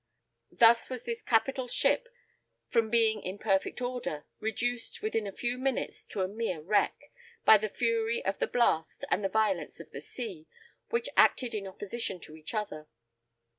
Thus was this capital ship, from being in perfect order, reduced, within a few minutes to a mere wreck, by the fury of the blast and the violence of the sea, which acted in opposition to each other.